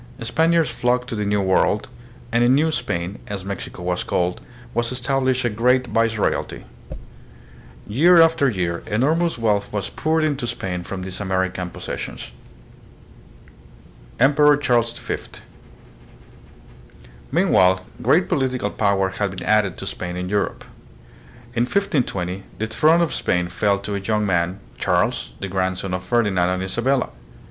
Span iards flocked to the New World, and in New Spain, as Mexico was called, was established a great vice royalty. Year after year enormous wealth was poured into Spain from these American possessions. Emperor Charles V. Meanwhile great political power had been added to Spain in Europe. In 1520 the throne of Spain fell to a young man, Charles, the grandson of Ferdinand and Isabella.